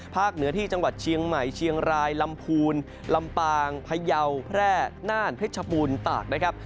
เหนือที่จังหวัดเชียงใหม่เชียงรายลำพูนลำปางพยาวแพร่น่านเพชรบูรณ์ตากนะครับ